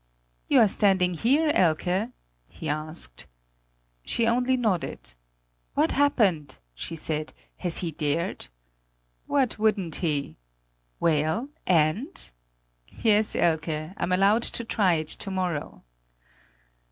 "You are standing here, Elke?" he asked. She only nodded: "What happened?" she said; "has he dared?" "What wouldn't he ?" "Well, and ?" "Yes, Elke; I'm allowed to try it to morrow!"